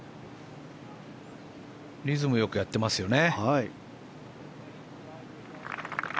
リズムよくやってますよね。